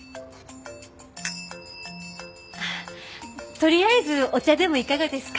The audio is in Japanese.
とりあえずお茶でもいかがですか？